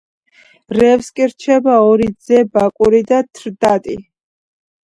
რევს კი რჩება ორი ძე ბაკური და თრდატი.